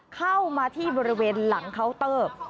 เข้ามาที่บริเวณหลังเคาน์เตอร์